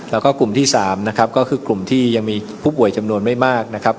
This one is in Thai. แล้วก็กลุ่มที่๓นะครับก็คือกลุ่มที่ยังมีผู้ป่วยจำนวนไม่มากนะครับ